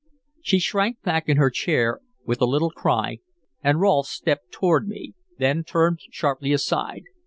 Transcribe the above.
She shrank back in her chair with a little cry, and Rolfe stepped toward me, then turned sharply aside.